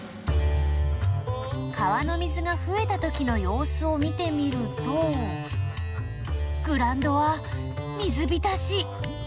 川の水がふえた時のよう子を見てみるとグラウンドは水びたし。